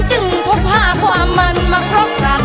จึงพบหาความมั่นมาพรบกัน